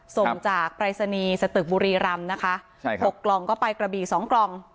ส่งจากปรายศนีสตุกบุรีรำนะคะ๖กล่องก็ไปกระบี๒กล่อง